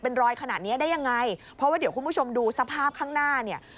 เป็นรอยขนาดเนี้ยได้ยังไงเพราะว่าเดี๋ยวคุณผู้ชมดูสภาพข้างหน้าเนี่ย